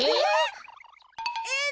えっ！？